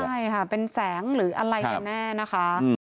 ใช่ค่ะเป็นแสงหรืออะไรกันแน่นะคะ